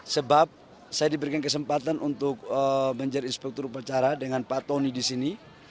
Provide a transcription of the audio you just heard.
sebab saya diberikan kesempatan untuk menjadi inspektur upacara dengan pak tony di sini